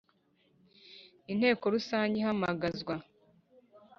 Inteko rusange ihamagazwa